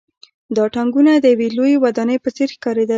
دا ټانکونه د یوې لویې ودانۍ په څېر ښکارېدل